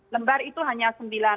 lembar itu hanya sembilan